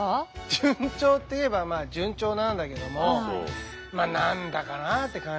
順調っていえば順調なんだけども何だかなって感じよ。